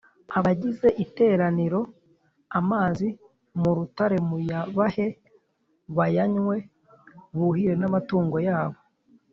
abagize iteraniro amazi mu rutare muyabahe bayanywe buhire n amatungo yabo